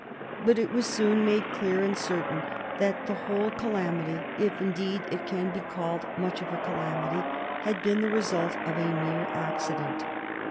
But it was soon made clear and certain that the whole calamity, if indeed it can be called much of a calamity, had been the result of a mere accident.